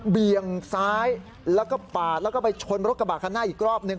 เบี่ยงซ้ายแล้วก็ปาดแล้วก็ไปชนรถกระบะคันหน้าอีกรอบหนึ่ง